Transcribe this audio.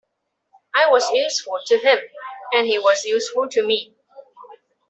I was useful to him, and he was useful to me.